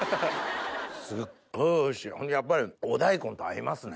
すっごいおいしいほんでやっぱりお大根と合いますね。